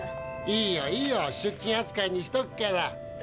いいよいいよ出勤あつかいにしとくから。